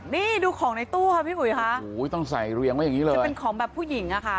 นี่ดูของในตู้ค่ะพี่อุ๋ยค่ะโอ้โหต้องใส่เรียงไว้อย่างนี้เลยจะเป็นของแบบผู้หญิงอ่ะค่ะ